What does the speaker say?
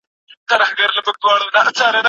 سالم ذهنیت پیاوړي اړیکي جوړوي.